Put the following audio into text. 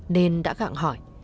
nên đã gặng hỏi